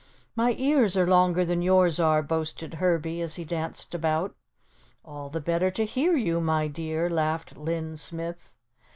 "My ears are longer than yours are," boasted Herbie, as he danced about. "All the better to hear you, my dear," laughed Linn Smith.